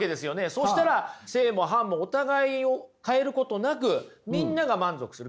そしたら正も反もお互いを変えることなくみんなが満足する。